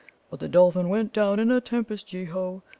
"But the Dolphin went down in a tempest, yeo ho!